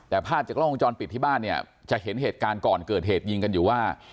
แต่ภาพจากล้องวงจรปิดที่บ้านเนี่ยจะเห็นเหตุการณ์ก่อนเกิดเหตุยิงกันอยู่ว่า